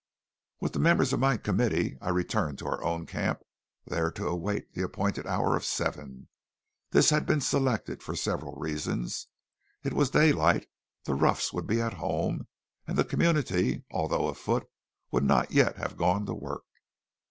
With the members of my committee I returned to our own camp, there to await the appointed hour of seven. This had been selected for several reasons: it was daylight, the roughs would be at home, and the community, although afoot, would not yet have gone to work.